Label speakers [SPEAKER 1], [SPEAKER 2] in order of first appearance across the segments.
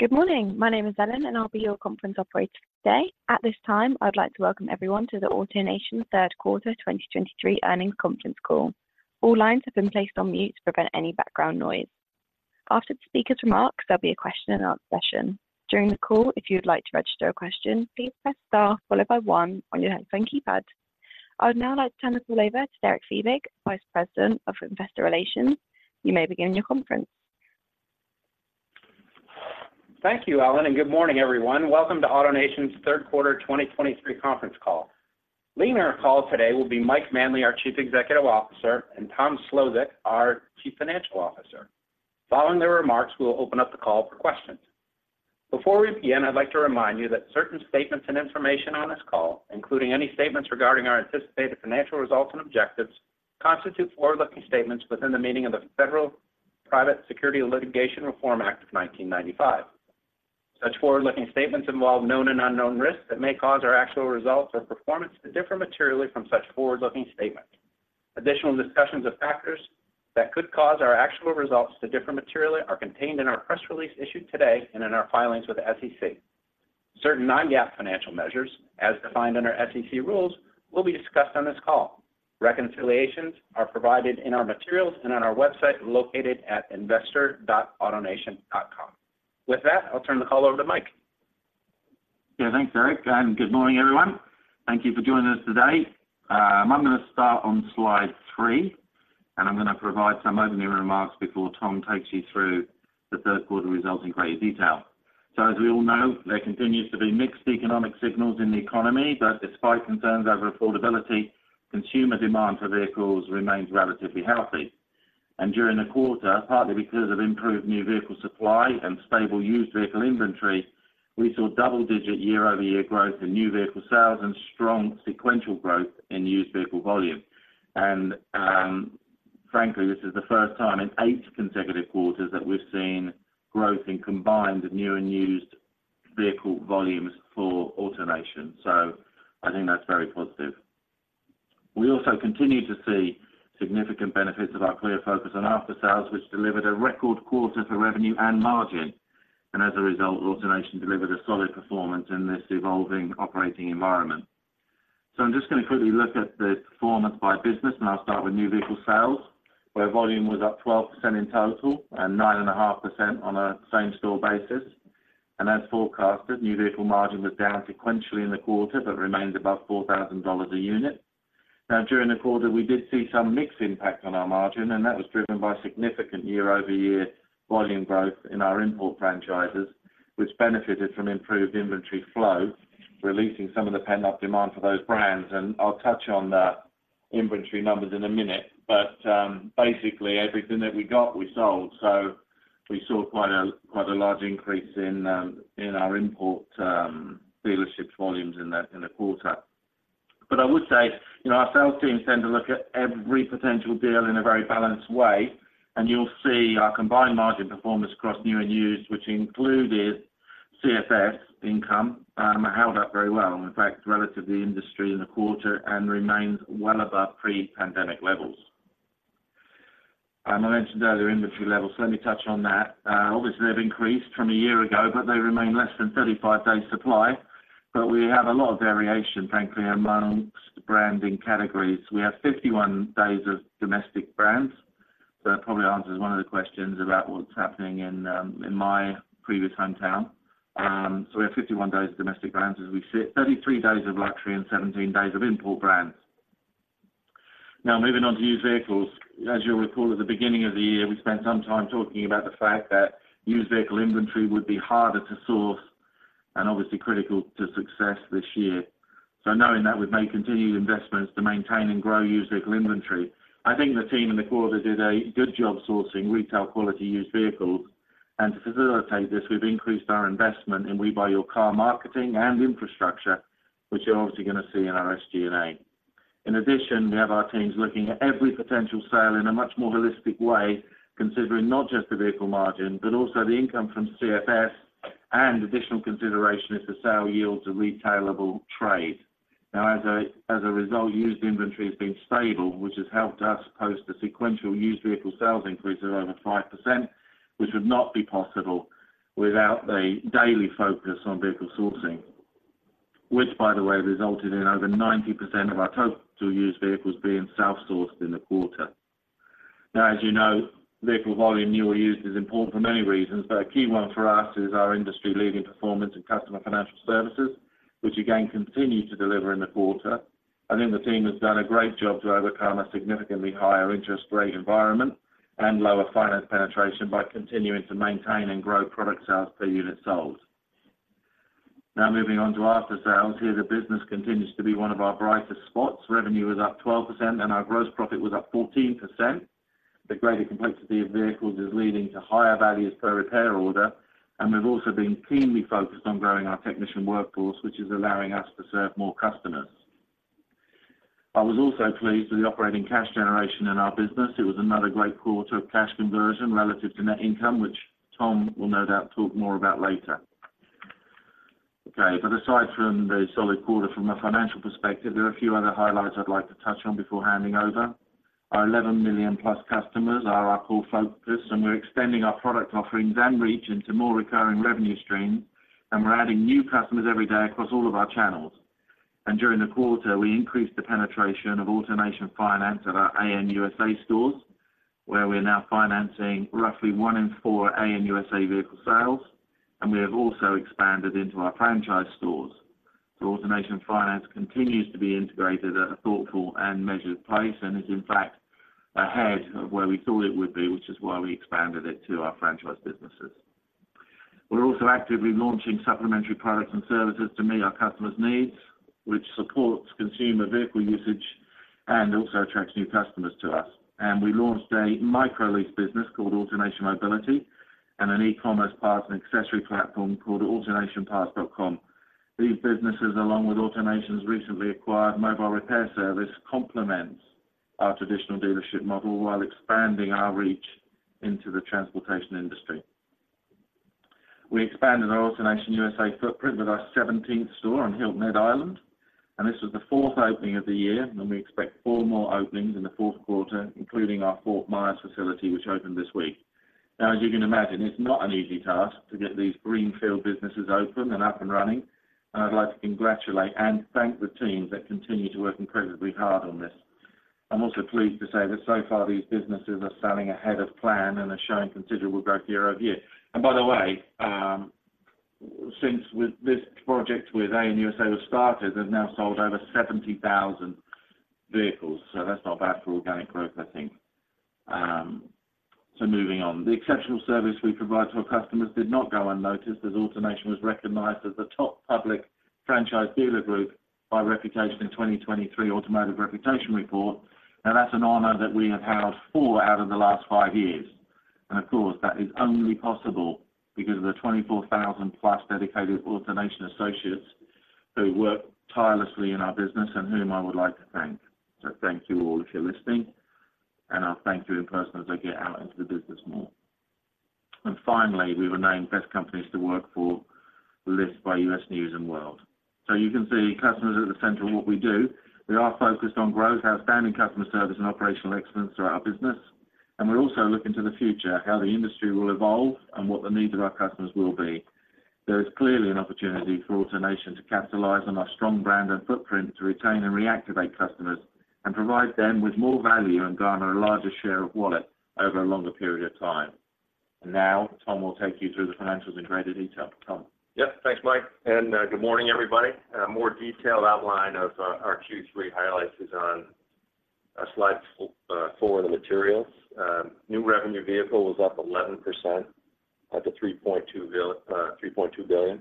[SPEAKER 1] Good morning. My name is Ellen, and I'll be your conference operator today. At this time, I'd like to welcome everyone to the AutoNation Third Quarter 2023 Earnings Conference Call. All lines have been placed on mute to prevent any background noise. After the speaker's remarks, there'll be a question and answer session. During the call, if you would like to register a question, please press Star followed by one on your headphone keypad. I would now like to turn this call over to Derek Fiebig, Vice President of Investor Relations. You may begin your conference.
[SPEAKER 2] Thank you, Ellen, and good morning, everyone. Welcome to AutoNation's third quarter 2023 conference call. Leading our call today will be Mike Manley, our Chief Executive Officer, and Tom Szlosek, our Chief Financial Officer. Following their remarks, we will open up the call for questions. Before we begin, I'd like to remind you that certain statements and information on this call, including any statements regarding our anticipated financial results and objectives, constitute forward-looking statements within the meaning of the Federal Private Securities Litigation Reform Act of 1995. Such forward-looking statements involve known and unknown risks that may cause our actual results or performance to differ materially from such forward-looking statements. Additional discussions of factors that could cause our actual results to differ materially are contained in our press release issued today and in our filings with the SEC. Certain non-GAAP financial measures, as defined under SEC rules, will be discussed on this call. Reconciliations are provided in our materials and on our website located at investor.autonation.com. With that, I'll turn the call over to Mike.
[SPEAKER 3] Yeah, thanks, Derek, and good morning, everyone. Thank you for joining us today. I'm gonna start on slide three, and I'm gonna provide some opening remarks before Tom takes you through the third quarter results in greater detail. So as we all know, there continues to be mixed economic signals in the economy, but despite concerns over affordability, consumer demand for vehicles remains relatively healthy. And during the quarter, partly because of improved new vehicle supply and stable used vehicle inventory, we saw double-digit year-over-year growth in new vehicle sales and strong sequential growth in used vehicle volume. And, frankly, this is the first time in eight consecutive quarters that we've seen growth in combined new and used vehicle volumes for AutoNation. So I think that's very positive. We also continue to see significant benefits of our clear focus on aftersales, which delivered a record quarter for revenue and margin, and as a result, AutoNation delivered a solid performance in this evolving operating environment. I'm just going to quickly look at the performance by business, and I'll start with new vehicle sales, where volume was up 12% in total and 9.5% on a same store basis. As forecasted, new vehicle margin was down sequentially in the quarter, but remained above $4,000 a unit. Now, during the quarter, we did see some mixed impact on our margin, and that was driven by significant year-over-year volume growth in our import franchises, which benefited from improved inventory flow, releasing some of the pent-up demand for those brands. I'll touch on the inventory numbers in a minute, but basically everything that we got, we sold. So we saw quite a large increase in our import dealerships volumes in the quarter. But I would say, you know, our sales teams tend to look at every potential deal in a very balanced way, and you'll see our combined margin performance across new and used, which included CFS income, held up very well. In fact, relative to the industry in the quarter and remains well above pre-pandemic levels. I mentioned earlier, inventory levels, let me touch on that. Obviously, they've increased from a year ago, but they remain less than 35 days supply. But we have a lot of variation, frankly, amongst brand and categories. We have 51 days of domestic brands. So that probably answers one of the questions about what's happening in my previous hometown. So we have 51 days of domestic brands as we sit, 33 days of luxury and 17 days of import brands. Now, moving on to used vehicles. As you'll recall, at the beginning of the year, we spent some time talking about the fact that used vehicle inventory would be harder to source and obviously critical to success this year. So knowing that we've made continued investments to maintain and grow used vehicle inventory, I think the team in the quarter did a good job sourcing retail quality used vehicles. And to facilitate this, we've increased our investment in We Buy Your Car marketing and infrastructure, which you're obviously going to see in our SG&A. In addition, we have our teams looking at every potential sale in a much more holistic way, considering not just the vehicle margin, but also the income from CFS and additional consideration if the sale yields a retailable trade. Now, as a result, used inventory has been stable, which has helped us post a sequential used vehicle sales increase of over 5%, which would not be possible without the daily focus on vehicle sourcing. Which, by the way, resulted in over 90% of our total used vehicles being self-sourced in the quarter. Now, as you know, vehicle volume, new or used, is important for many reasons, but a key one for us is our industry-leading performance in customer financial services, which again, continued to deliver in the quarter. I think the team has done a great job to overcome a significantly higher interest rate environment and lower finance penetration by continuing to maintain and grow product sales per unit sold. Now, moving on to after sales. Here, the business continues to be one of our brightest spots. Revenue was up 12% and our gross profit was up 14%. The greater complexity of vehicles is leading to higher values per repair order, and we've also been keenly focused on growing our technician workforce, which is allowing us to serve more customers. I was also pleased with the operating cash generation in our business. It was another great quarter of cash conversion relative to net income, which Tom will no doubt talk more about later.... Okay, but aside from the solid quarter from a financial perspective, there are a few other highlights I'd like to touch on before handing over. Our 11 million plus customers are our core focus, and we're extending our product offerings and reach into more recurring revenue streams, and we're adding new customers every day across all of our channels. During the quarter, we increased the penetration of AutoNation Finance at our AN USA stores, where we're now financing roughly one in four AN USA vehicle sales, and we have also expanded into our franchise stores. AutoNation Finance continues to be integrated at a thoughtful and measured pace, and is in fact ahead of where we thought it would be, which is why we expanded it to our franchise businesses. We're also actively launching supplementary products and services to meet our customers' needs, which supports consumer vehicle usage and also attracts new customers to us. We launched a micro-lease business called AutoNation Mobility and an e-commerce parts and accessory platform called AutoNationParts.com. These businesses, along with AutoNation's recently acquired mobile repair service, complements our traditional dealership model while expanding our reach into the transportation industry. We expanded our AutoNation USA footprint with our 17th store on Hilton Head Island, and this was the fourth opening of the year, and we expect four more openings in the fourth quarter, including our Fort Myers facility, which opened this week. Now, as you can imagine, it's not an easy task to get these greenfield businesses open and up and running, and I'd like to congratulate and thank the teams that continue to work incredibly hard on this. I'm also pleased to say that so far, these businesses are selling ahead of plan and are showing considerable growth year-over-year. And by the way, since with this project with AN USA was started, they've now sold over 70,000 vehicles, so that's not bad for organic growth, I think. So moving on. The exceptional service we provide to our customers did not go unnoticed, as AutoNation was recognized as the top public franchise dealer group by Reputation in 2023 Automotive Reputation Report. Now, that's an honor that we have held four out of the last five years. And of course, that is only possible because of the 24,000-plus dedicated AutoNation associates who work tirelessly in our business and whom I would like to thank. Thank you all if you're listening, and I'll thank you in person as I get out into the business more. Finally, we were named Best Companies to Work For list by U.S. News & World Report. You can see customers are at the center of what we do. We are focused on growth, outstanding customer service, and operational excellence throughout our business, and we're also looking to the future, how the industry will evolve and what the needs of our customers will be. There is clearly an opportunity for AutoNation to capitalize on our strong brand and footprint to retain and reactivate customers, and provide them with more value and garner a larger share of wallet over a longer period of time. Now, Tom will take you through the financials in greater detail. Tom?
[SPEAKER 4] Yes, thanks, Mike, and good morning, everybody. A more detailed outline of our Q3 highlights is on slides four in the materials. New revenue vehicle was up 11% up to $3.2 billion.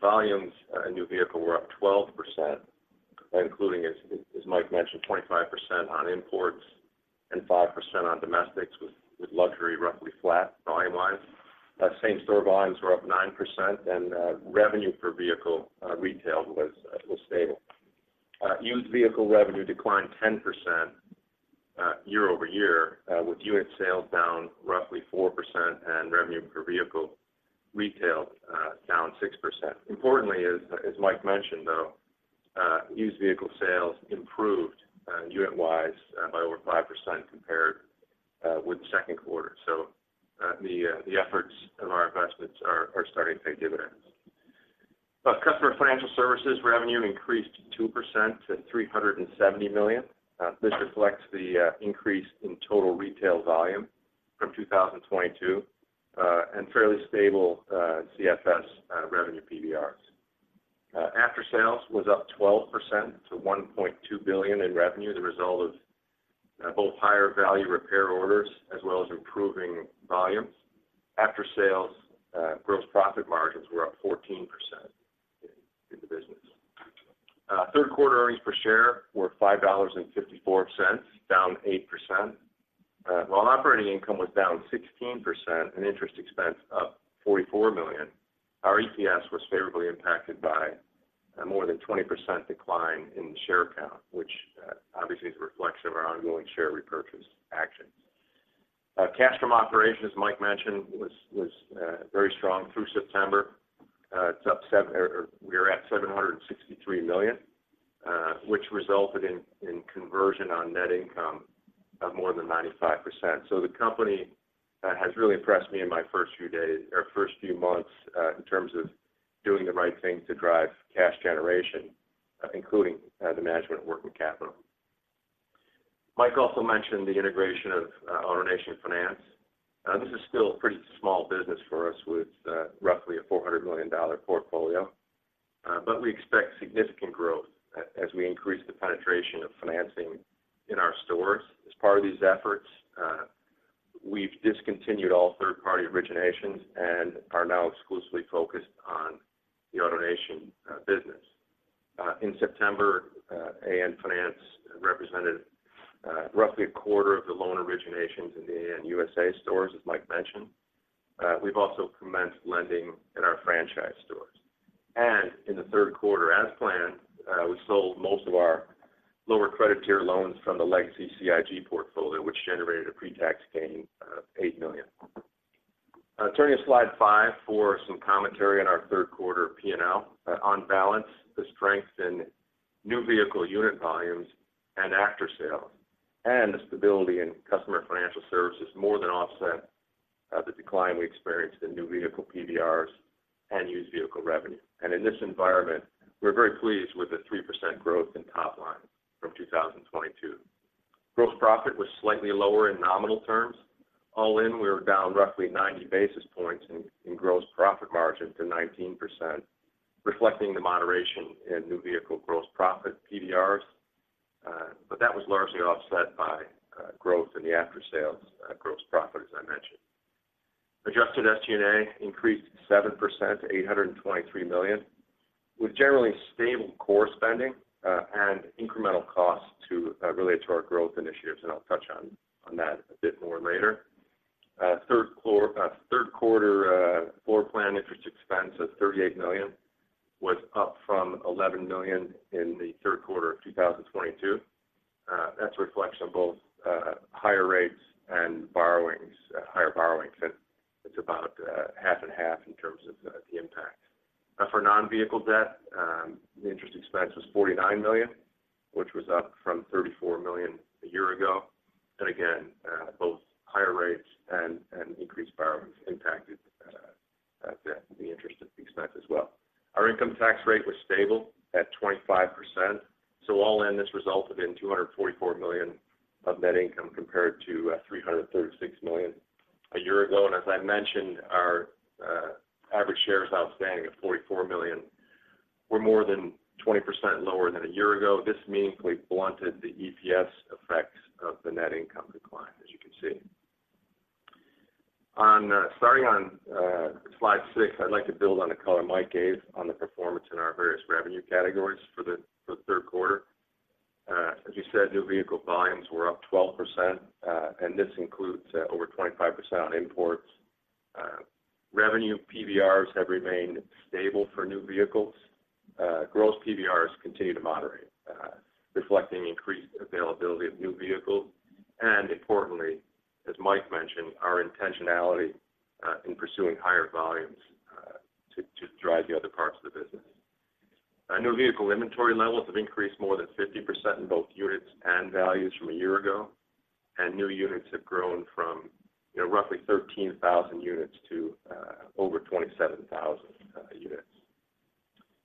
[SPEAKER 4] Volumes in new vehicle were up 12%, including, as Mike mentioned, 25% on imports and 5% on domestics, with luxury roughly flat, volume-wise. Same store volumes were up 9%, and revenue per vehicle retail was stable. Used vehicle revenue declined 10% year-over-year, with unit sales down roughly 4% and revenue per vehicle retail down 6%. Importantly, as Mike mentioned, though, used vehicle sales improved unit-wise by over 5% compared with the second quarter. So, the efforts of our investments are starting to pay dividends. Plus customer financial services revenue increased 2% to $370 million. This reflects the increase in total retail volume from 2022 and fairly stable CFS revenue PVRs. After-sales was up 12% to $1.2 billion in revenue, the result of both higher value repair orders as well as improving volumes. After-sales gross profit margins were up 14% in the business. Third quarter earnings per share were $5.54, down 8%. While operating income was down 16% and interest expense up $44 million, our EPS was favorably impacted by a more than 20% decline in the share count, which obviously is a reflection of our ongoing share repurchase actions. Cash from operations, Mike mentioned, was very strong through September. It's up seven. We're at $763 million, which resulted in conversion on net income of more than 95%. So the company has really impressed me in my first few days or first few months, in terms of doing the right thing to drive cash generation, including the management of working capital. Mike also mentioned the integration of AutoNation Finance. This is still a pretty small business for us, with roughly a $400 million portfolio, but we expect significant growth as we increase the penetration of financing in our stores. As part of these efforts, we've discontinued all third-party originations and are now exclusively focused on the AutoNation business. In September, AN Finance represented roughly a quarter of the loan originations in the AN USA stores, as Mike mentioned. We've also commenced lending in our franchise stores. In the third quarter, as planned, we sold most of our lower credit tier loans from the legacy CIG portfolio, which generated a pre-tax gain of $8 million. Turning to slide five for some commentary on our third quarter PNL. On balance, the strength in new vehicle unit volumes and aftersales, and the stability in customer financial services more than offset the decline we experienced in new vehicle PVRs and used vehicle revenue. In this environment, we're very pleased with the 3% growth in top line from 2022. Gross profit was slightly lower in nominal terms. All in, we were down roughly 90 basis points in gross profit margin to 19%, reflecting the moderation in new vehicle gross profit PVRs. But that was largely offset by growth in the after-sales gross profit, as I mentioned. Adjusted SG&A increased 7% to $823 million, with generally stable core spending and incremental costs related to our growth initiatives, and I'll touch on that a bit more later. Third quarter floorplan interest expense of $38 million was up from $11 million in the third quarter of 2022. That's a reflection of both higher rates and borrowings, higher borrowings, and it's about half and half in terms of the impact. Now for non-vehicle debt, the interest expense was $49 million, which was up from $34 million a year ago. And again, both higher rates and increased borrowings impacted the interest expense as well. Our income tax rate was stable at 25%, so all in, this resulted in $244 million of net income, compared to $336 million a year ago. And as I mentioned, our average shares outstanding of 44 million were more than 20% lower than a year ago. This meaningfully blunted the EPS effects of the net income decline, as you can see. Starting on slide six I'd like to build on the color Mike gave on the performance in our various revenue categories for the third quarter. As you said, new vehicle volumes were up 12%, and this includes, over 25% on imports. Revenue PVRs have remained stable for new vehicles. Gross PVRs continue to moderate, reflecting increased availability of new vehicles, and importantly, as Mike mentioned, our intentionality, in pursuing higher volumes, to drive the other parts of the business. New vehicle inventory levels have increased more than 50% in both units and values from a year ago, and new units have grown from, you know, roughly 13,000 units to, over 27,000 units.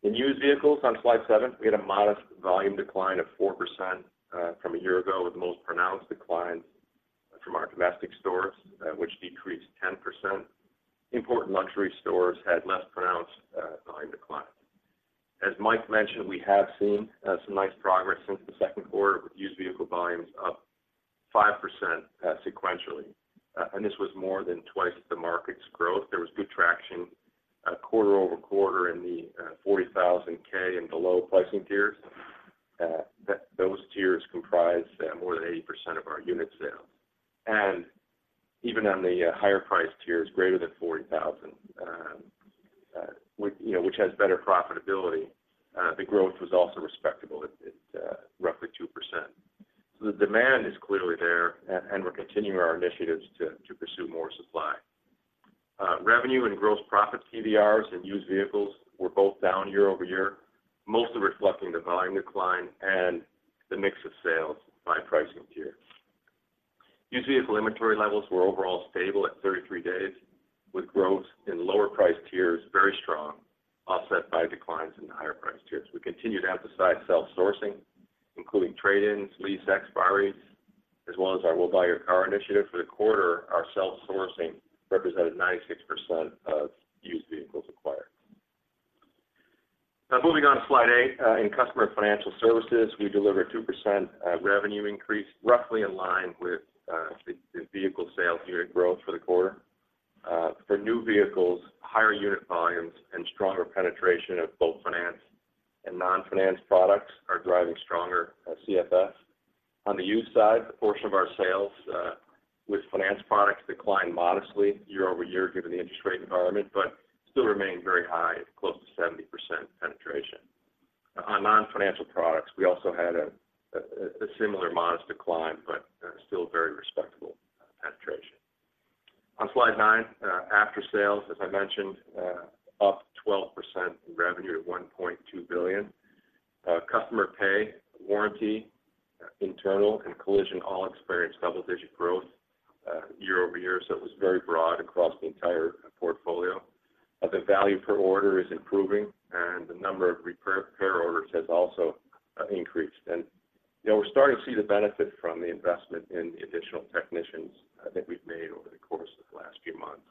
[SPEAKER 4] In used vehicles on slide seven, we had a modest volume decline of 4%, from a year ago, with the most pronounced decline from our domestic stores, which decreased 10%. Import luxury stores had less pronounced, volume decline. As Mike mentioned, we have seen some nice progress since the second quarter, with used vehicle volumes up 5%, sequentially. And this was more than twice the market's growth. There was good traction quarter-over-quarter in the 40,000 and below pricing tiers. Those tiers comprise more than 80% of our unit sales. And even on the higher priced tiers, greater than 40,000, which, you know, which has better profitability, the growth was also respectable at roughly 2%. So the demand is clearly there, and we're continuing our initiatives to pursue more supply. Revenue and gross profit PVRs in used vehicles were both down year-over-year, mostly reflecting the volume decline and the mix of sales by pricing tier. Used vehicle inventory levels were overall stable at 33 days, with growth in lower priced tiers very strong, offset by declines in the higher priced tiers. We continue to emphasize self-sourcing, including trade-ins, lease expiries, as well as our We Buy Your Car initiative. For the quarter, our self-sourcing represented 96% of used vehicles acquired. Now moving on to slide eight. In customer financial services, we delivered 2% revenue increase, roughly in line with the vehicle sales unit growth for the quarter. For new vehicles, higher unit volumes and stronger penetration of both financed and non-financed products are driving stronger CFS. On the used side, the portion of our sales with finance products declined modestly year-over-year, given the interest rate environment, but still remained very high at close to 70% penetration. On non-financial products, we also had a similar modest decline, but still very respectable penetration. On slide nine, aftersales, as I mentioned, up 12% in revenue to $1.2 billion. Customer pay, warranty, internal and collision all experienced double-digit growth year-over-year, so it was very broad across the entire portfolio. The value per order is improving, and the number of repair orders has also increased. And, you know, we're starting to see the benefit from the investment in the additional technicians that we've made over the course of the last few months.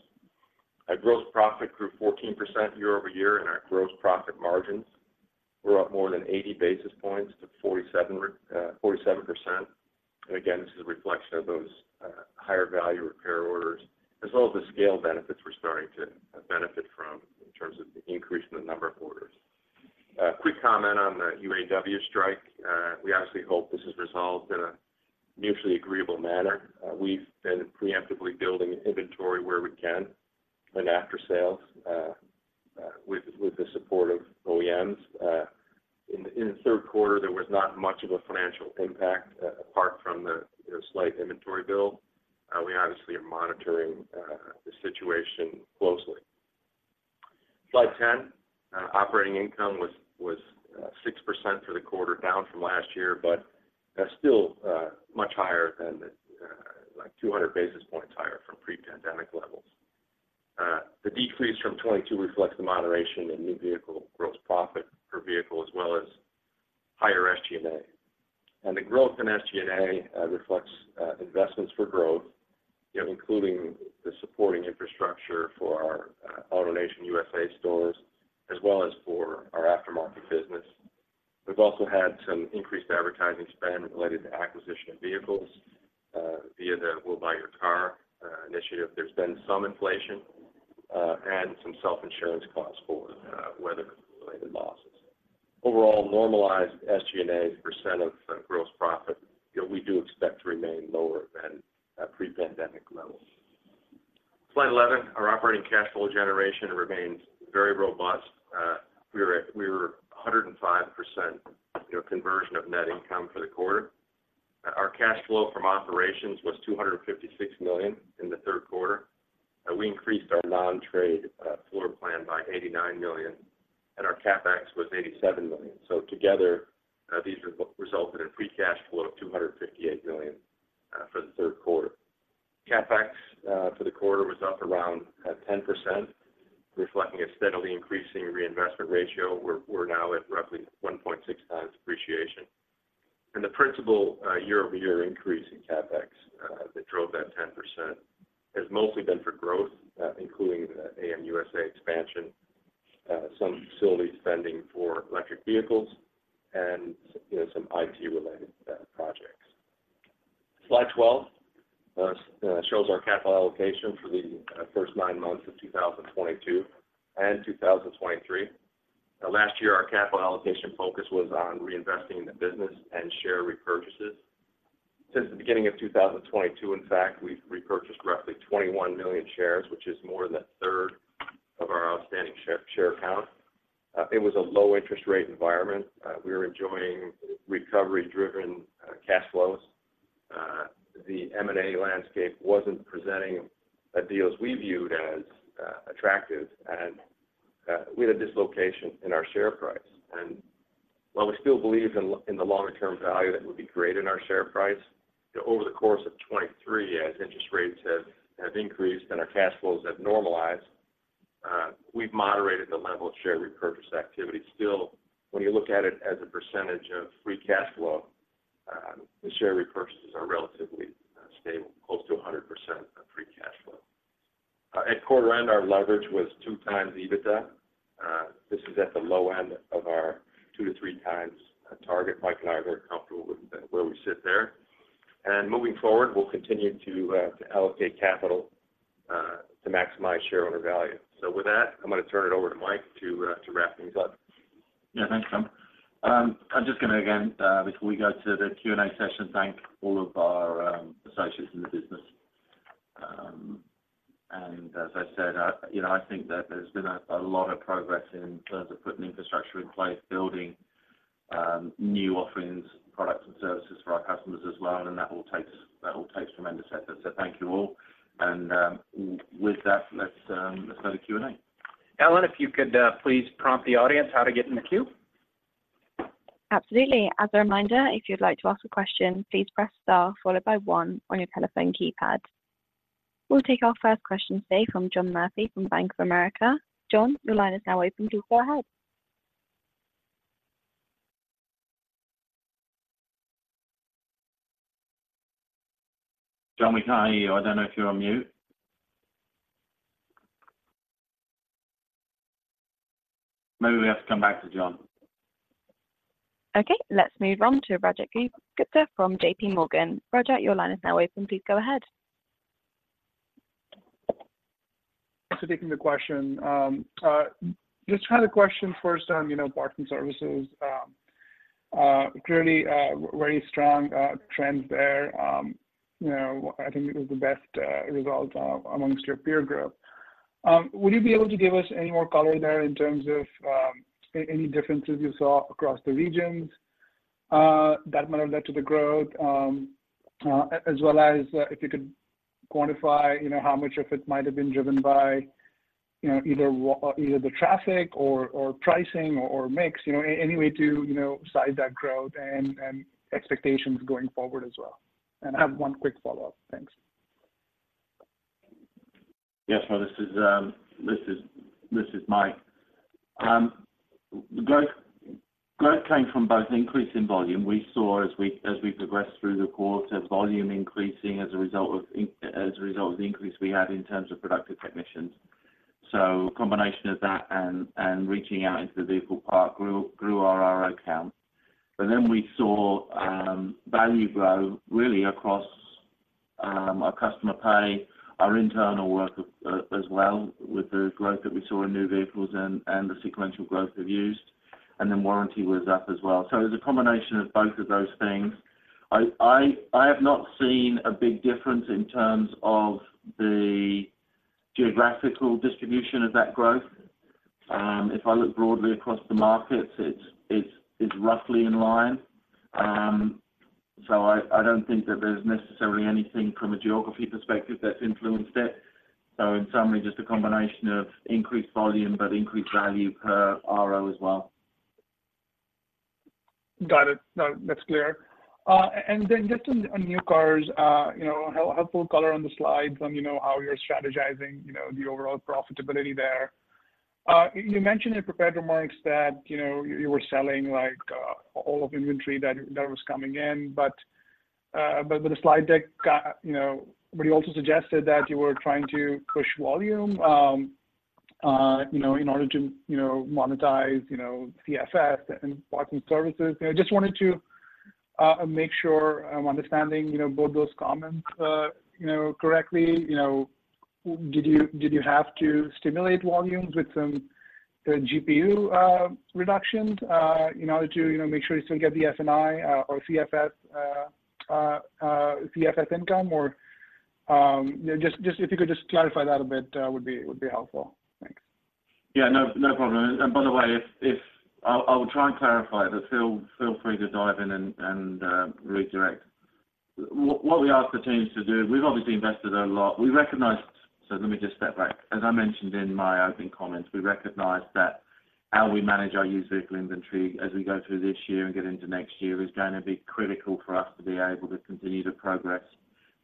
[SPEAKER 4] Our gross profit grew 14% year-over-year, and our gross profit margins were up more than 80 basis points to 47%. And again, this is a reflection of those, higher value repair orders, as well as the scale benefits we're starting to, benefit from in terms of the increase in the number of orders. Quick comment on the UAW strike. We obviously hope this is resolved in a mutually agreeable manner. We've been preemptively building inventory where we can in after sales, with the support of OEMs. In the third quarter, there was not much of a financial impact, apart from the, you know, slight inventory build. We obviously are monitoring the situation closely. Slide 10, operating income was 6% for the quarter, down from last year, but still much higher than the, like 200 basis points higher from pre-pandemic levels. The decrease from 22 reflects the moderation in new vehicle gross profit per vehicle, as well as higher SG&A. The growth in SG&A reflects investments for growth, you know, including the supporting infrastructure for our AutoNation USA stores, as well as for our aftermarket business. We've also had some increased advertising spend related to acquisition of vehicles via the We Buy Your Car initiative. There's been some inflation and some self-insurance costs for weather-related losses. Overall, normalized SG&A as a percent of gross profit, you know, we do expect to remain lower than pre-pandemic levels. Slide 11, our operating cash flow generation remains very robust. We were at 105%, you know, conversion of net income for the quarter. Our cash flow from operations was $256 million in the third quarter. We increased our non-trade floorplan by $89 million, and our CapEx was $87 million. So together, these have resulted in free cash flow of $258 million for the third quarter. CapEx for the quarter was up around 10%, reflecting a steadily increasing reinvestment ratio. We're now at roughly 1.6 times depreciation. And the principal year-over-year increase in CapEx that drove that 10% has mostly been for growth, including the AN USA expansion, some facility spending for electric vehicles, and, you know, some IT-related projects. Slide 12 shows our capital allocation for the first nine months of 2022 and 2023. Now, last year, our capital allocation focus was on reinvesting in the business and share repurchases. Since the beginning of 2022, in fact, we've repurchased roughly 21 million shares, which is more than a third of our outstanding share count. It was a low interest rate environment. We were enjoying recovery-driven cash flows. The M&A landscape wasn't presenting deals we viewed as attractive, and we had a dislocation in our share price. And while we still believe in the longer-term value that would be great in our share price, over the course of 2023, as interest rates have increased and our cash flows have normalized, we've moderated the level of share repurchase activity. Still, when you look at it as a percentage of free cash flow, the share repurchases are relatively stable, close to 100% of free cash flow. At quarter end, our leverage was two times EBITDA. This is at the low end of our two-three times target. Mike and I are very comfortable with where we sit there. And moving forward, we'll continue to allocate capital to maximize shareholder value. So with that, I'm gonna turn it over to Mike to wrap things up.
[SPEAKER 3] Yeah, thanks, Tom. I'm just gonna again, before we go to the Q&A session, thank all of our associates in the business. And as I said, I, you know, I think that there's been a, a lot of progress in terms of putting infrastructure in place, building new offerings, products, and services for our customers as well, and that all takes, that all takes tremendous effort. So thank you all. And, with that, let's go to Q&A.
[SPEAKER 4] Ellen, if you could, please prompt the audience how to get in the queue?
[SPEAKER 1] Absolutely. As a reminder, if you'd like to ask a question, please press star followed by one on your telephone keypad. We'll take our first question today from John Murphy from Bank of America. John, your line is now open. Please go ahead.
[SPEAKER 3] John, we can't hear you. I don't know if you're on mute. Maybe we have to come back to John.
[SPEAKER 1] Okay, let's move on to Rajat Gupta from J.P. Morgan. Rajat, your line is now open. Please go ahead.
[SPEAKER 5] Thanks for taking the question. Just had a question first on, you know, parts and services. Clearly, very strong trends there. You know, I think it was the best result amongst your peer group. Would you be able to give us any more color there in terms of any differences you saw across the regions that might have led to the growth? As well as if you could quantify, you know, how much of it might have been driven by, you know, either the traffic or pricing or mix, you know, any way to size that growth and expectations going forward as well? And I have one quick follow-up. Thanks.
[SPEAKER 3] Yes, well, this is Mike. The growth came from both increase in volume. We saw as we progressed through the quarter, volume increasing as a result of the increase we had in terms of productive technicians. So a combination of that and reaching out into the vehicle park grew our RO count. But then we saw value grow really across our customer pay, our internal work as well, with the growth that we saw in new vehicles and the sequential growth of used and then warranty was up as well. So it was a combination of both of those things. I have not seen a big difference in terms of the geographical distribution of that growth. If I look broadly across the markets, it's roughly in line. So I don't think that there's necessarily anything from a geography perspective that's influenced it. So in summary, just a combination of increased volume, but increased value per RO as well.
[SPEAKER 5] Got it. No, that's clear. And then just on new cars, you know, helpful color on the slide from, you know, how you're strategizing, you know, the overall profitability there. You mentioned in prepared remarks that, you know, you were selling like all of inventory that was coming in, but with the slide deck, got—you know, but you also suggested that you were trying to push volume, you know, in order to, you know, monetize, you know, CFS and parts and services. I just wanted to, you know, make sure I'm understanding, you know, both those comments, you know, correctly. You know, did you, did you have to stimulate volumes with some GPU reductions in order to, you know, make sure you still get the F&I, or CFS, CFS income? Just if you could just clarify that a bit, would be helpful. Thanks.
[SPEAKER 3] Yeah, no, no problem. And by the way, if I will try and clarify, but feel free to dive in and redirect. What we ask the teams to do, we've obviously invested a lot. We recognize. So let me just step back. As I mentioned in my opening comments, we recognize that how we manage our used vehicle inventory as we go through this year and get into next year is going to be critical for us to be able to continue to progress,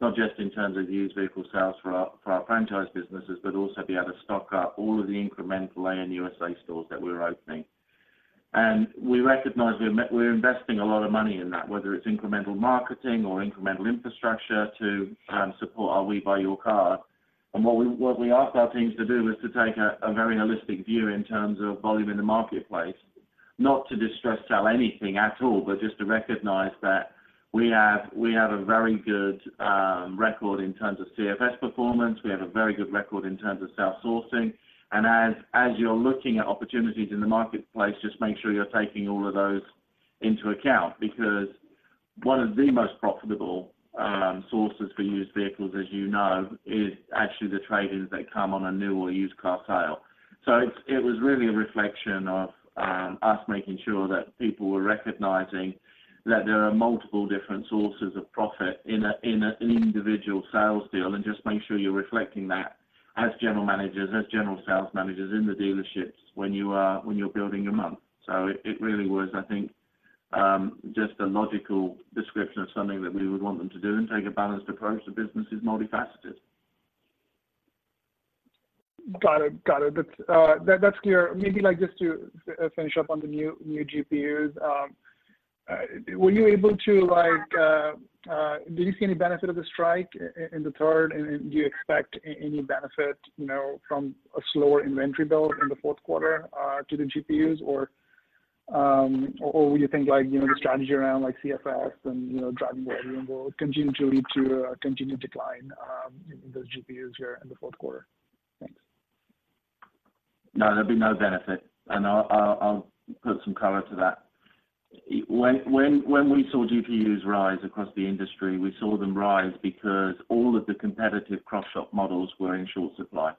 [SPEAKER 3] not just in terms of used vehicle sales for our franchise businesses, but also be able to stock up all of the incremental AN USA stores that we're opening. And we recognize we're investing a lot of money in that, whether it's incremental marketing or incremental infrastructure to support our We Buy Your Car. And what we ask our teams to do is to take a very holistic view in terms of volume in the marketplace. Not to distress sell anything at all, but just to recognize that we have a very good record in terms of CFS performance. We have a very good record in terms of sales sourcing. And as you're looking at opportunities in the marketplace, just make sure you're taking all of those into account, because one of the most profitable sources for used vehicles, as you know, is actually the trade-ins that come on a new or used car sale. So it was really a reflection of us making sure that people were recognizing that there are multiple different sources of profit in an individual sales deal, and just make sure you're reflecting that as general managers, as general sales managers in the dealerships when you're building your month. So it really was, I think, just a logical description of something that we would want them to do and take a balanced approach. The business is multifaceted.
[SPEAKER 5] Got it. Got it. That's, that's clear. Maybe like, just to finish up on the new, new GPUs. Do you see any benefit of the strike in the third, and do you expect any benefit, you know, from a slower inventory build in the fourth quarter, to the GPUs? Or, or you think, like, you know, the strategy around like CFS and, you know, driving volume will continue to lead to a continued decline, in those GPUs here in the fourth quarter? Thanks.
[SPEAKER 3] No, there'll be no benefit, and I'll put some color to that. When we saw GPUs rise across the industry, we saw them rise because all of the competitive cross-shop models were in short supply.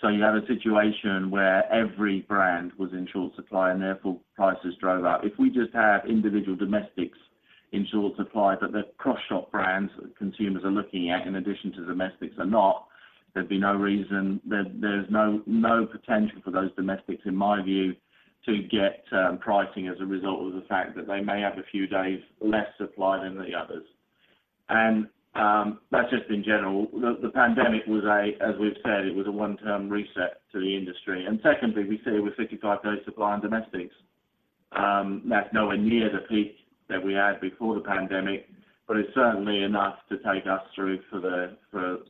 [SPEAKER 3] So you have a situation where every brand was in short supply and therefore prices drove up. If we just have individual domestics in short supply, but the cross-shop brands that consumers are looking at in addition to domestics are not, there'd be no reason... There's no potential for those domestics, in my view, to get pricing as a result of the fact that they may have a few days less supply than the others. And that's just in general. The pandemic was a, as we've said, it was a one-term reset to the industry. And secondly, we sit with 55-day supply on domestics. That's nowhere near the peak that we had before the pandemic, but it's certainly enough to take us through for the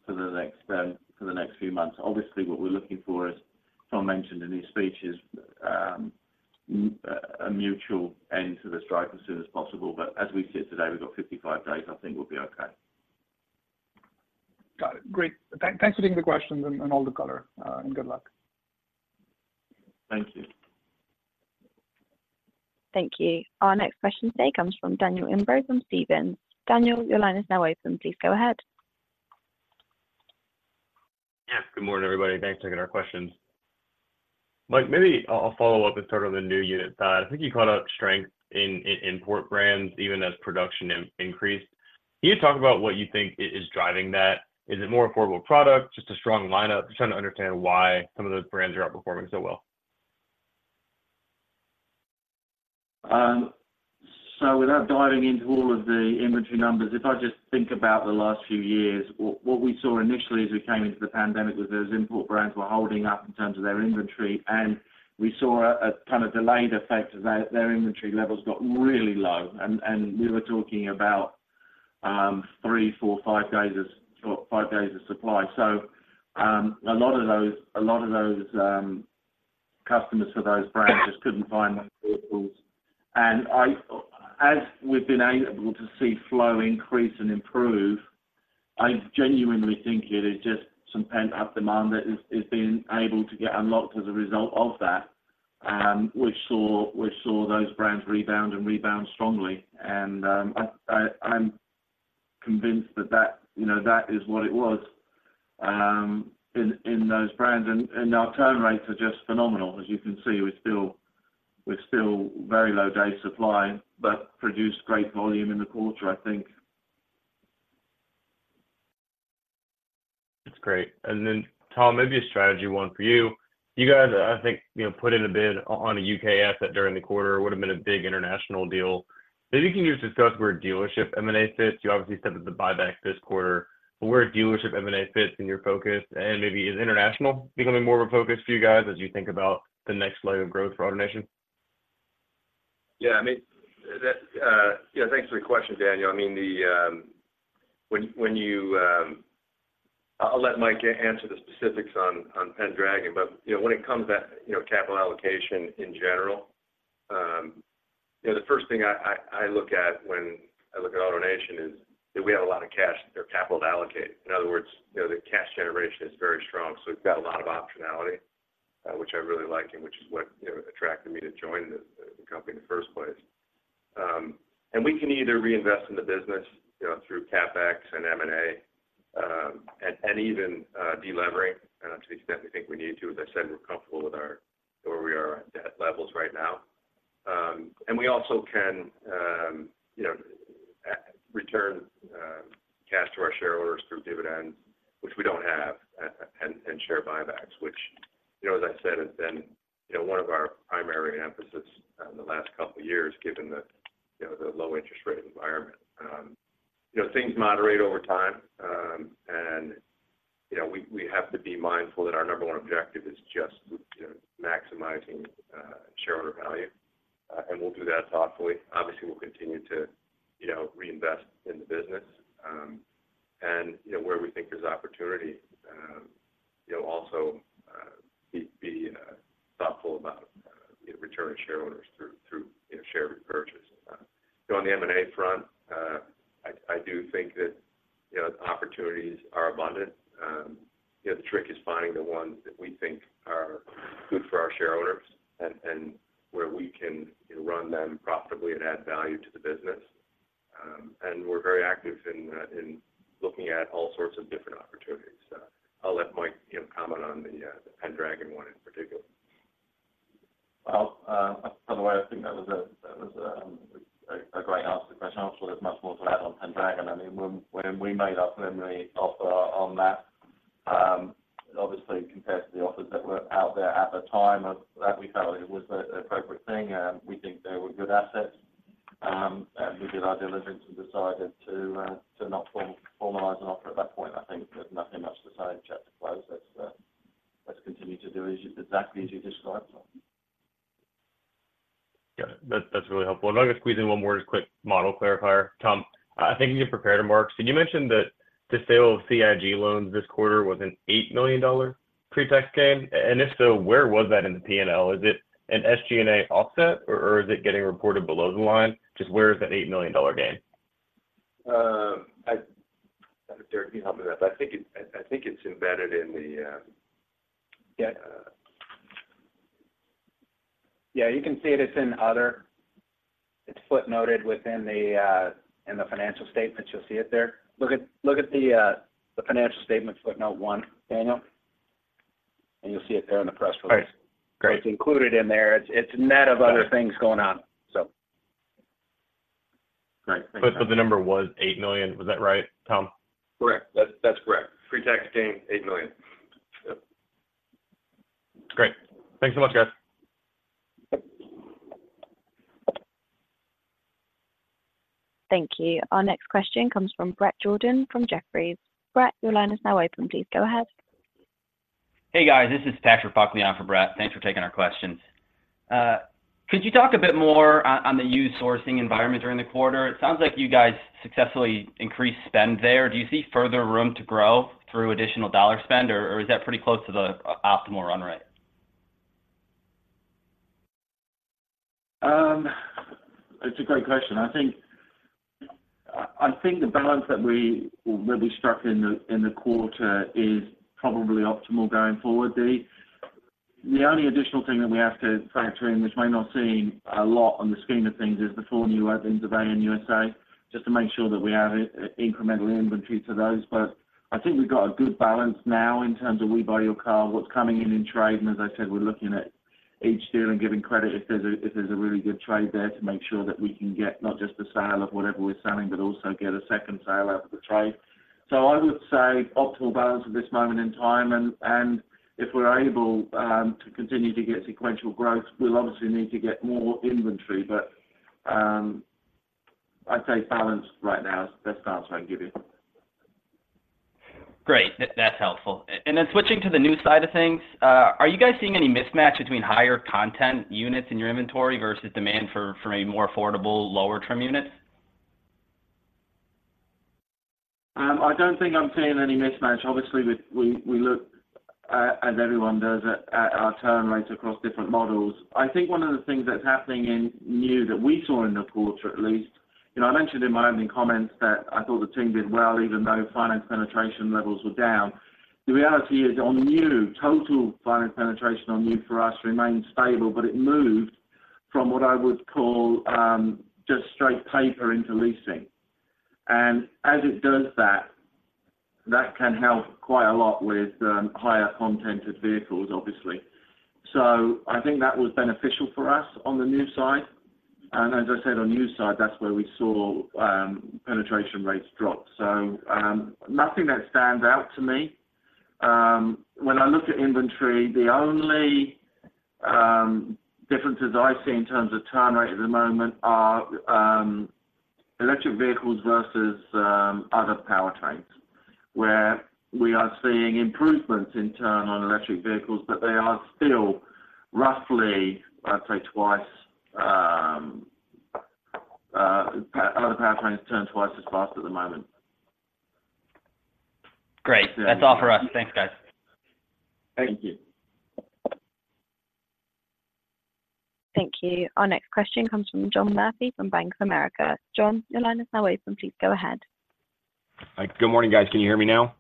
[SPEAKER 3] next few months. Obviously, what we're looking for, as Tom mentioned in his speech, is a mutual end to the strike as soon as possible. But as we sit today, we've got 55 days. I think we'll be okay.
[SPEAKER 5] Got it. Great. Thanks for taking the questions and all the color, and good luck.
[SPEAKER 3] Thank you.
[SPEAKER 1] Thank you. Our next question today comes from Daniel Imbro from Stephens. Daniel, your line is now open. Please go ahead.
[SPEAKER 6] Yeah. Good morning, everybody. Thanks for taking our questions. Mike, maybe I'll follow up and start on the new unit side. I think you called out strength in import brands, even as production increased. Can you talk about what you think is driving that? Is it more affordable product, just a strong lineup? Just trying to understand why some of those brands are outperforming so well.
[SPEAKER 3] So without diving into all of the inventory numbers, if I just think about the last few years, what we saw initially as we came into the pandemic was those import brands were holding up in terms of their inventory, and we saw a kind of delayed effect as their inventory levels got really low, and we were talking about three, four, five days of supply. So a lot of those customers for those brands just couldn't find those vehicles. As we've been able to see flow increase and improve, I genuinely think it is just some pent-up demand that is being able to get unlocked as a result of that, which saw those brands rebound and rebound strongly. I'm convinced that, you know, that is what it was in those brands. Our turn rates are just phenomenal. As you can see, we're still very low day supply, but produced great volume in the quarter, I think.
[SPEAKER 6] That's great. And then, Tom, maybe a strategy one for you. You guys, I think, you know, put in a bid on a U.K. asset during the quarter. It would have been a big international deal. Maybe you can just discuss where dealership M&A fits. You obviously said that the buyback this quarter. But where a dealership M&A fits in your focus, and maybe is international becoming more of a focus for you guys as you think about the next leg of growth for AutoNation?
[SPEAKER 4] Yeah, I mean, that, yeah, thanks for the question, Daniel. I mean, when you, you know, I'll let Mike answer the specifics on, on Pendragon. You know, when it comes to, you know, capital allocation in general, you know, the first thing I look at when I look at AutoNation is that we have a lot of cash or capital to allocate. In other words, you know, the cash generation is very strong, so we've got a lot of optionality, which I really like and which is what, you know, attracted me to join the company in the first place. You know, we can either reinvest in the business, you know, through CapEx and M&A, and even delivering. I don't actually definitely think we need to. As I said, we're comfortable with our where we are at debt levels right now. And we also can, you know, return cash to our shareholders through dividends, which we don't have, and share buybacks, which, you know, as I said, has been, you know, one of our primary emphasis on the last couple of years, given the, you know, the low interest rate environment. You know, things moderate over time. And, you know, we have to be mindful that our number one objective is just, you know, maximizing shareholder value, and we'll do that thoughtfully. Obviously, we'll continue to, you know, reinvest in the business. And, you know, where we think there's opportunity, we'll also be thoughtful about returning shareholders through, you know, share repurchasing. So on the M&A front, I do think that, you know, the opportunities are abundant. You know, the trick is finding the ones that we think are good for our shareholders and where we can run them profitably and add value to the business. And we're very active in looking at all sorts of different opportunities. So I'll let Mike, you know, comment on the Pendragon one in particular.
[SPEAKER 3] Well, by the way, I think that was a great answer to the question. I'm sure there's much more to add on Pendragon. I mean, when we made our primary offer on that, obviously compared to the offers that were out there at the time of that, we felt it was the appropriate thing, and we think they were good assets. And we did our diligence and decided to not formalize an offer at that point. I think there's nothing much to say except to close as, let's continue to do exactly as you described.
[SPEAKER 6] Yeah, that's, that's really helpful. And I'm gonna squeeze in one more just quick model clarifier. Tom, I think you prepared remarks, and you mentioned that the sale of CIG loans this quarter was an $8 million pre-tax gain. And if so, where was that in the P&L? Is it an SG&A offset, or, or is it getting reported below the line? Just where is that $8 million gain?
[SPEAKER 4] Derek, can you help me with that? I think it's, I think it's embedded in the,
[SPEAKER 2] Yeah. Yeah, you can see it. It's in other... It's footnoted within the, in the financial statements, you'll see it there. Look at the financial statement, footnote one, Daniel, and you'll see it there in the press release.
[SPEAKER 6] Right. Great.
[SPEAKER 2] It's included in there. It's, it's net of other things going on, so.
[SPEAKER 6] Great. Thank you. But, but the number was $8 million. Was that right, Tom?
[SPEAKER 4] Correct. That's, that's correct. Pre-tax gain, $8 million.
[SPEAKER 6] Yep. Great. Thanks so much, guys.
[SPEAKER 1] Thank you. Our next question comes from Brett Jordan, from Jefferies. Brett, your line is now open. Please go ahead.
[SPEAKER 7] Hey, guys, this is Patrick Folan for Brett. Thanks for taking our questions. Could you talk a bit more on, on the used sourcing environment during the quarter? It sounds like you guys successfully increased spend there. Do you see further room to grow through additional dollar spend, or, or is that pretty close to the optimal run rate?
[SPEAKER 3] It's a great question. I think, I think the balance that we, that we struck in the, in the quarter is probably optimal going forward, Eddie. The only additional thing that we have to factor in, which we're not seeing a lot in the scheme of things, is the four new openings of AN USA, just to make sure that we have incremental inventory for those. But I think we've got a good balance now in terms of We Buy Your Car, what's coming in in trade, and as I said, we're looking at each deal and giving credit if there's a, if there's a really good trade there to make sure that we can get not just the sale of whatever we're selling, but also get a second sale out of the trade. So I would say optimal balance at this moment in time, and if we're able to continue to get sequential growth, we'll obviously need to get more inventory. But, I'd say balanced right now is the best answer I can give you.
[SPEAKER 7] Great, that, that's helpful. And then switching to the new side of things, are you guys seeing any mismatch between higher content units in your inventory versus demand for a more affordable, lower trim units?
[SPEAKER 3] I don't think I'm seeing any mismatch. Obviously, we look, as everyone does, at our turn rates across different models. I think one of the things that's happening in new that we saw in the quarter, at least, you know, I mentioned in my opening comments that I thought the team did well, even though finance penetration levels were down. The reality is, on new, total finance penetration on new for us remained stable, but it moved from what I would call just straight paper into leasing. And as it does that, that can help quite a lot with higher content of vehicles, obviously. So I think that was beneficial for us on the new side. And as I said, on the used side, that's where we saw penetration rates drop. So nothing that stands out to me. When I look at inventory, the only differences I see in terms of turn rate at the moment are electric vehicles versus other powertrains, where we are seeing improvements in turn on electric vehicles, but they are still roughly, I'd say, twice other powertrains turn twice as fast at the moment.
[SPEAKER 4] Great. That's all for us. Thanks, guys.
[SPEAKER 3] Thank you.
[SPEAKER 1] Thank you. Our next question comes from John Murphy from Bank of America. John, your line is now open. Please go ahead.
[SPEAKER 8] Hi. Good morning, guys. Can you hear me now?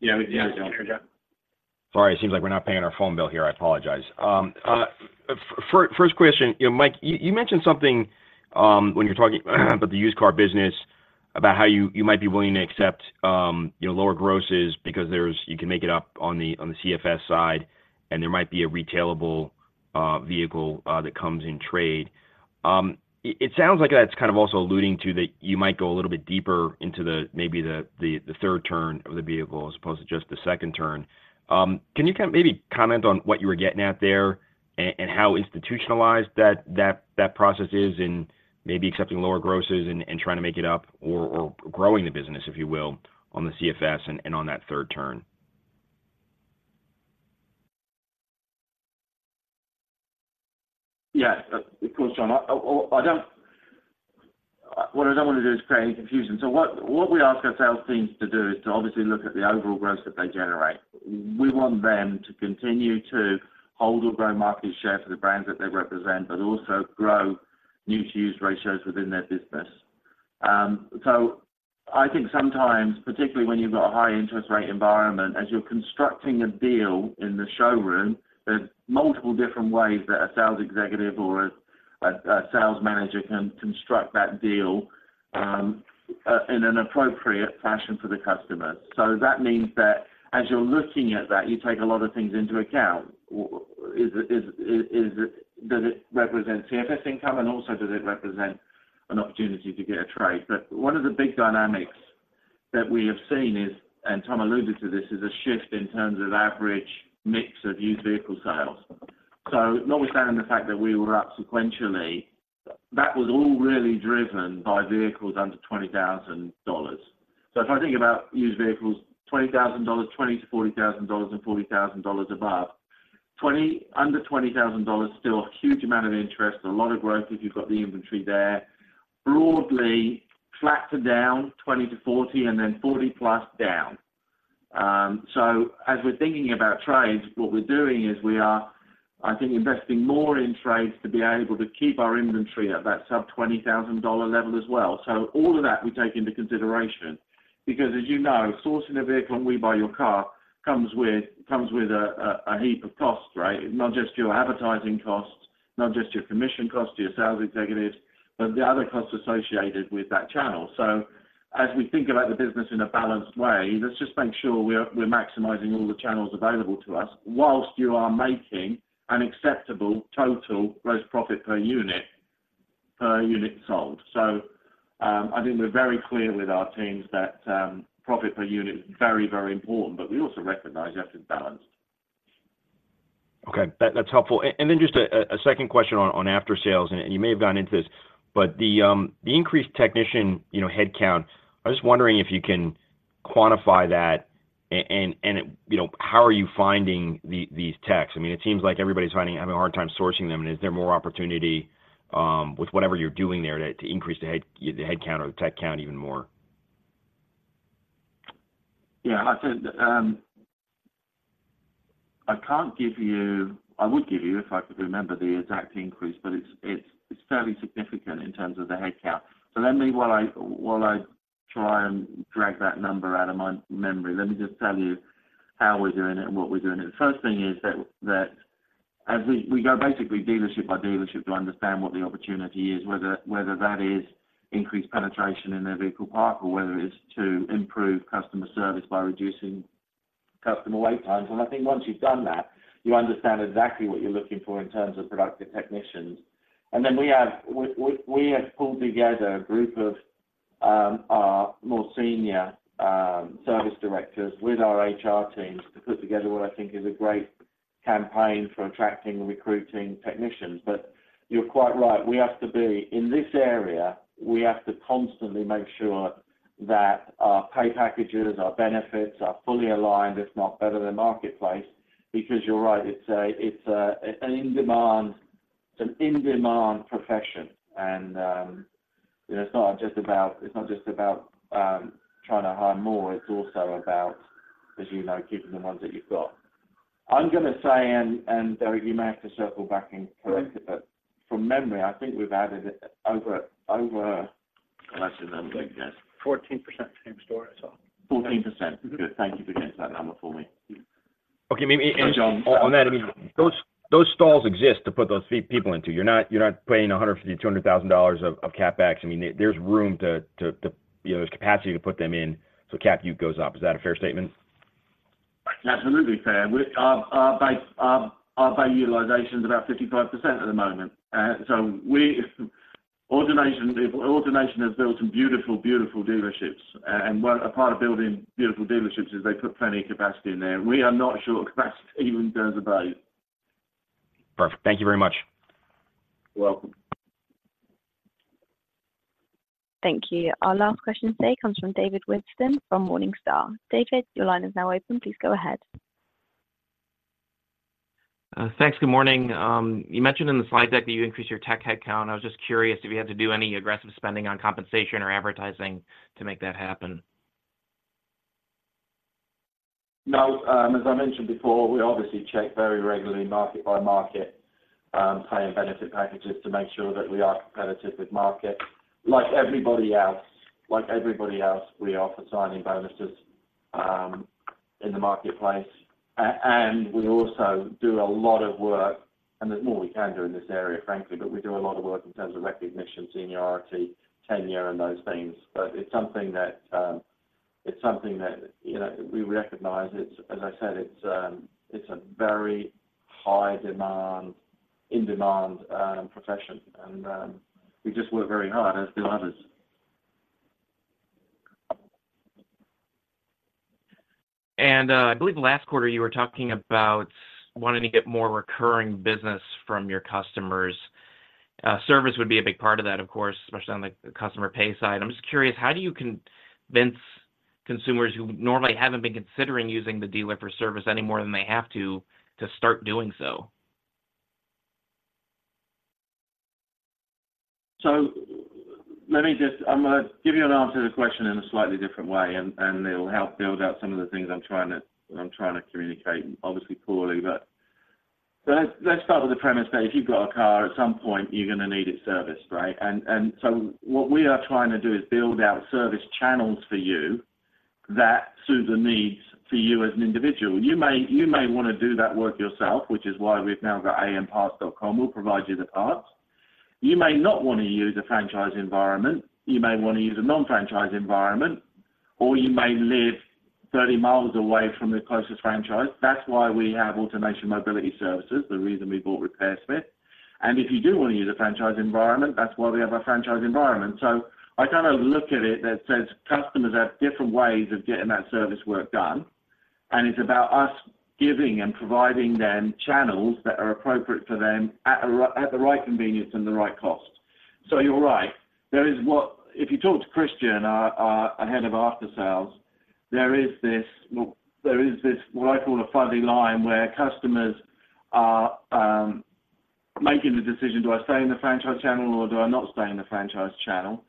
[SPEAKER 3] Yeah, we can hear you, John.
[SPEAKER 8] Sorry, it seems like we're not paying our phone bill here. I apologize. First question, you know, Mike, you mentioned something when you're talking about the used car business, about how you might be willing to accept, you know, lower grosses because there's you can make it up on the CFS side, and there might be a retailable vehicle that comes in trade. It sounds like that's kind of also alluding to that you might go a little bit deeper into maybe the third turn of the vehicle as opposed to just the second turn. Can you kind of maybe comment on what you were getting at there and how institutionalized that process is in maybe accepting lower grosses and trying to make it up or growing the business, if you will, on the CFS and on that third turn?
[SPEAKER 3] Yeah. Of course, John. What I don't want to do is create any confusion. So what we ask our sales teams to do is to obviously look at the overall growth that they generate. We want them to continue to hold or grow market share for the brands that they represent, but also grow new to used ratios within their business. So I think sometimes, particularly when you've got a high interest rate environment, as you're constructing a deal in the showroom, there's multiple different ways that a sales executive or a sales manager can construct that deal in an appropriate fashion for the customer. So that means that as you're looking at that, you take a lot of things into account. Is it—does it represent CFS income, and also, does it represent an opportunity to get a trade? But one of the big dynamics that we have seen is, and Tom alluded to this, a shift in terms of average mix of used vehicle sales. So notwithstanding the fact that we were up sequentially, that was all really driven by vehicles under $20,000. So if I think about used vehicles, $20,000, $20,000-$40,000 and above $40,000. Under $20,000, still a huge amount of interest and a lot of growth if you've got the inventory there. Broadly, flatter down, $20,000-$40,000, and then $40,000+, down. So as we're thinking about trades, what we're doing is we are, I think, investing more in trades to be able to keep our inventory at that sub-$20,000 level as well. So all of that we take into consideration, because as you know, sourcing a vehicle on We Buy Your Car comes with a heap of costs, right? Not just your advertising costs, not just your commission cost to your sales executives, but the other costs associated with that channel. So as we think about the business in a balanced way, let's just make sure we're maximizing all the channels available to us, while you are making an acceptable total gross profit per unit sold. I think we're very clear with our teams that profit per unit is very, very important, but we also recognize it has to be balanced.
[SPEAKER 8] Okay, that's helpful. And then just a second question on after sales, and you may have gone into this, but the increased technician headcount, you know, I was wondering if you can quantify that and you know, how are you finding these techs? I mean, it seems like everybody's having a hard time sourcing them. And is there more opportunity with whatever you're doing there to increase the headcount or the tech count even more?
[SPEAKER 3] Yeah, I said, I can't give you. I would give you, if I could remember, the exact increase, but it's fairly significant in terms of the headcount. So let me, while I try and drag that number out of my memory, let me just tell you how we're doing it and what we're doing it. The first thing is that as we go basically dealership by dealership to understand what the opportunity is, whether that is increased penetration in their vehicle park or whether it's to improve customer service by reducing customer wait times. And I think once you've done that, you understand exactly what you're looking for in terms of productive technicians. And then we have pulled together a group of our more senior service directors with our HR teams to put together what I think is a great campaign for attracting and recruiting technicians. But you're quite right, we have to be... In this area, we have to constantly make sure that our pay packages, our benefits are fully aligned, if not better than marketplace, because you're right, it's an in-demand profession, and you know, it's not just about trying to hire more, it's also about, as you know, keeping the ones that you've got. I'm gonna say, and Derek, you may have to circle back and correct it, but from memory, I think we've added over. I actually remember, yes.
[SPEAKER 4] 14% Same Store as well.
[SPEAKER 3] 14 percent.
[SPEAKER 4] Mm-hmm.
[SPEAKER 3] Good. Thank you for getting that number for me.
[SPEAKER 8] Okay, maybe, and on that, I mean, those stalls exist to put those three people into. You're not paying $150,000-$200,000 of CapEx. I mean, there's room to, you know, there's capacity to put them in, so CapEx goes up. Is that a fair statement?
[SPEAKER 3] Absolutely fair. We, our base utilization is about 55% at the moment. So we, AutoNation has built some beautiful, beautiful dealerships, and one, a part of building beautiful dealerships is they put plenty of capacity in there. We are not short of capacity even goes about.
[SPEAKER 8] Perfect. Thank you very much.
[SPEAKER 3] You're welcome.
[SPEAKER 1] Thank you. Our last question today comes from David Whiston from Morningstar. David, your line is now open. Please go ahead.
[SPEAKER 9] Thanks. Good morning. You mentioned in the slide deck that you increased your tech headcount. I was just curious if you had to do any aggressive spending on compensation or advertising to make that happen?
[SPEAKER 3] No, as I mentioned before, we obviously check very regularly, market by market, pay and benefit packages to make sure that we are competitive with market. Like everybody else, like everybody else, we offer signing bonuses in the marketplace. And we also do a lot of work, and there's more we can do in this area, frankly, but we do a lot of work in terms of recognition, seniority, tenure, and those things. But it's something that, it's something that, you know, we recognize. It's, as I said, it's a very high demand, in-demand profession, and we just work very hard, as do others.
[SPEAKER 9] I believe last quarter you were talking about wanting to get more recurring business from your customers. Service would be a big part of that, of course, especially on the customer pay side. I'm just curious, how do you convince consumers who normally haven't been considering using the dealer for service any more than they have to, to start doing so?
[SPEAKER 3] So let me just... I'm gonna give you an answer to the question in a slightly different way, and it'll help build out some of the things I'm trying to communicate, obviously poorly. But so let's start with the premise that if you've got a car, at some point, you're gonna need it serviced, right? And so what we are trying to do is build out service channels for you that suit the needs for you as an individual. You may wanna do that work yourself, which is why we've now got AutoNationParts.com. We'll provide you the parts. You may not want to use a franchise environment, you may want to use a non-franchise environment, or you may live 30 miles away from the closest franchise. That's why we have AutoNation Mobile Service, the reason we bought RepairSmith. If you do want to use a franchise environment, that's why we have a franchise environment. I kind of look at it that says customers have different ways of getting that service work done, and it's about us giving and providing them channels that are appropriate for them at the right convenience and the right cost. So you're right, there is what-- If you talk to Christian, our head of after sales, there is this, well, what I call a fuzzy line, where customers are making the decision, "Do I stay in the franchise channel, or do I not stay in the franchise channel?"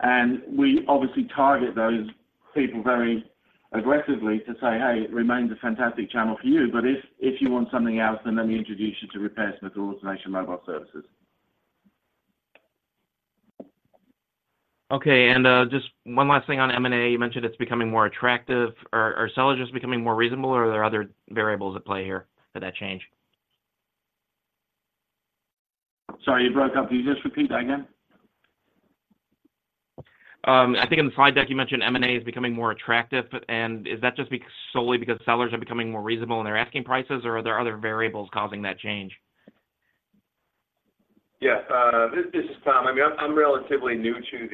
[SPEAKER 3] And we obviously target those people very aggressively to say, "Hey, it remains a fantastic channel for you, but if you want something else, then let me introduce you to RepairSmith or AutoNation Mobile Service.
[SPEAKER 9] Okay, and just one last thing on M&A. You mentioned it's becoming more attractive. Are sellers just becoming more reasonable, or are there other variables at play here for that change?
[SPEAKER 3] Sorry, you broke up. Can you just repeat that again?
[SPEAKER 9] I think in the slide deck, you mentioned M&A is becoming more attractive, but... And is that just solely because sellers are becoming more reasonable in their asking prices, or are there other variables causing that change?
[SPEAKER 4] Yeah, this is Tom. I mean, I'm relatively new to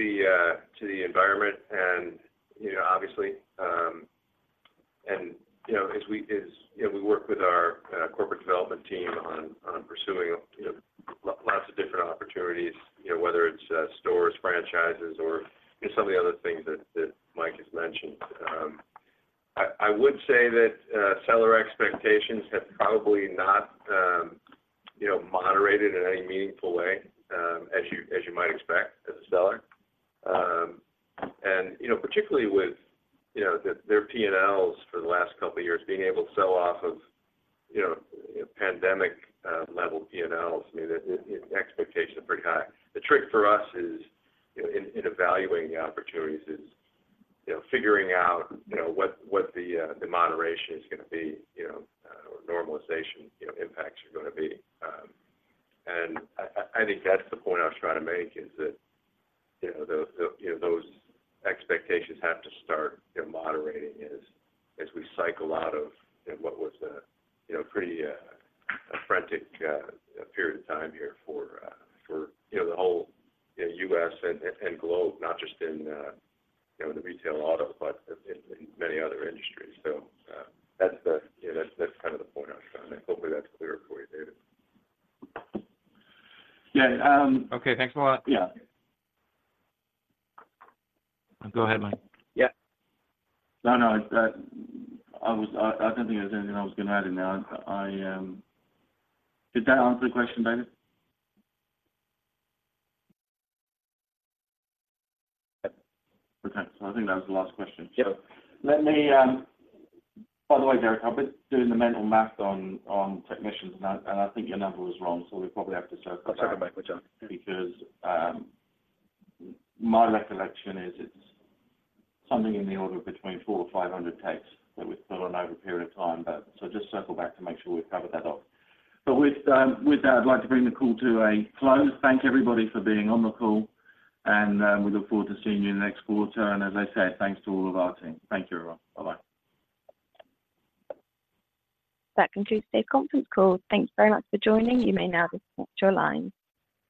[SPEAKER 4] the environment and, you know, obviously, and, you know, as we, you know, we work with our corporate development team on pursuing, you know, lots of different opportunities, you know, whether it's stores, franchises, or, you know, some of the other things that Mike has mentioned. I would say that seller expectations have probably not, you know, moderated in any meaningful way, as you might expect as a seller. And, you know, particularly with, you know, their P&Ls for the last couple of years, being able to sell off of, you know, pandemic level P&Ls, I mean, the expectations are pretty high. The trick for us is, you know, in evaluating the opportunities is, you know, figuring out, you know, what the moderation is gonna be, you know, or normalization, you know, impacts are gonna be. And I think that's the point I was trying to make is that, you know, those expectations have to start, you know, moderating as we cycle out of, you know, what was a, you know, pretty frantic period of time here for, you know, the whole, you know, U.S. and globe, not just in, you know, in the retail auto, but in many other industries. So, that's the, you know, that's kind of the point I was trying to make. Hopefully, that's clearer for you, David.
[SPEAKER 3] Yeah, um.
[SPEAKER 9] Okay, thanks a lot.
[SPEAKER 3] Yeah.
[SPEAKER 8] Go ahead, Mike.
[SPEAKER 3] Yeah. No, no, I was, I don't think there's anything I was gonna add in there. I... Did that answer the question, David?
[SPEAKER 9] Yep.
[SPEAKER 4] Okay, so I think that was the last question.
[SPEAKER 3] Yep. Let me... By the way, David, I've been doing the mental math on technicians, and I think your number was wrong, so we probably have to circle back.
[SPEAKER 4] I'll circle back with you.
[SPEAKER 3] Because, my recollection is it's something in the order of between 400-500 techs that we've filled on over a period of time, but so just circle back to make sure we've covered that off. But with that, I'd like to bring the call to a close. Thank everybody for being on the call, and we look forward to seeing you in the next quarter. And as I said, thanks to all of our team. Thank you, everyone. Bye-bye.
[SPEAKER 1] That concludes today's conference call. Thanks very much for joining. You may now disconnect your lines.